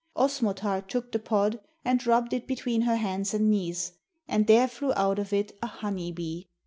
Osmotar took the pod and rubbed it between her hands and knees, and there flew out of it a honeybee.